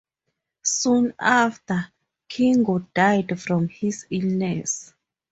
Soon after, Kingo died from his illness.